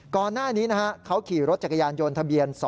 ก่อนหน้านี้นะฮะเขาขี่รถจักรยานยนต์ทะเบียน๒